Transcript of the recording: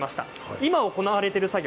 今、行われている作業